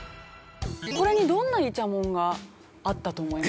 これにどんなイチャモンがあったと思います？